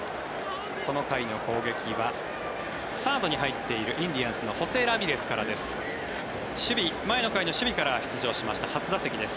この回の攻撃はサードに入っているインディアンスのホセ・ラミレスからです。